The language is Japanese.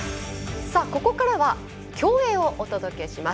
ここからは、競泳をお届けします。